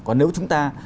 còn nếu chúng ta